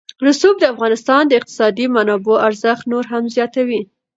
رسوب د افغانستان د اقتصادي منابعو ارزښت نور هم زیاتوي.